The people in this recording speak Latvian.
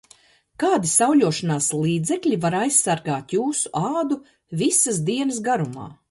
Kādi sauļošanās līdzekļi var aizsargāt jūsu ādu visas dienas garumā?